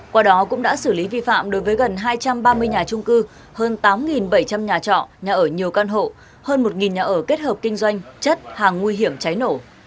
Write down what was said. qua đó cũng đã xử lý vi phạm đối với gần hai trăm ba mươi nhà trung cư hơn tám bảy trăm linh nhà trọ nhà ở nhiều căn hộ hơn một nhà ở kết hợp kinh doanh chất hàng nguy hiểm cháy nổ